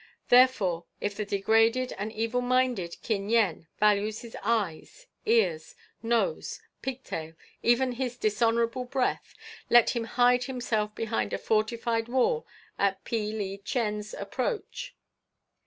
Therefore, if the degraded and evil minded Kin Yen values his eyes, ears, nose, pigtail, even his dishonourable breath, let him hide himself behind a fortified wall at Pe li Chen's approach.